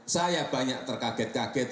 saya banyak terkaget